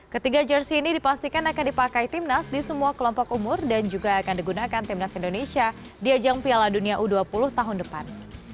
ketiga jersi ini dipastikan akan dipakai timnas di semua kelompok umur dan juga akan digunakan timnas indonesia di ajang piala dunia u dua puluh tahun depan